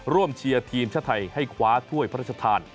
เชียร์ทีมชาติไทยให้คว้าถ้วยพระราชทาน